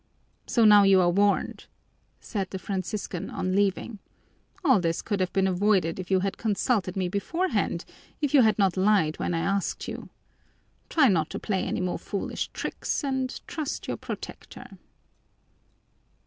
"So now you are warned!" said the Franciscan on leaving. "All this could have been avoided if you had consulted me beforehand, if you had not lied when I asked you. Try not to play any more foolish tricks, and trust your protector."